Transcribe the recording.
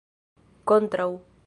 kontraŭ